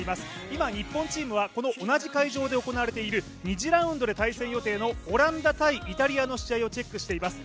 今日本チームは同じ会場で行われている２次ラウンドで対戦予定のオランダ×イタリアの試合をチェックしています。